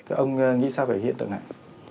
các ông nghĩ sao về hiện tượng này